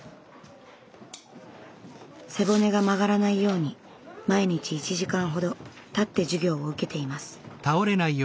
背骨が曲がらないように毎日１時間ほど立って授業を受けています。